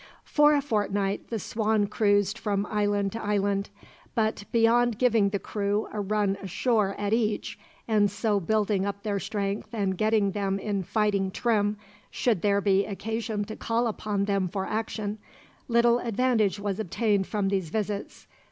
For a fortnight the Swan cruised from island to island; but beyond giving the crew a run ashore at each, and so building up their strength and getting them in fighting trim, should there be occasion to call upon them for action, little advantage was obtained from these visits.